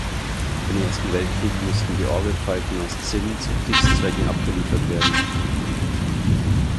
Im Ersten Weltkrieg mussten die Orgelpfeifen aus Zinn zu Kriegszwecken abgeliefert werden.